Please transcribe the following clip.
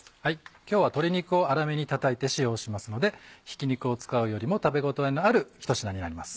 今日は鶏肉を粗めにたたいて使用しますのでひき肉を使うよりも食べ応えのあるひと品になります。